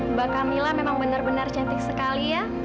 mbak camilla memang benar benar cantik sekali ya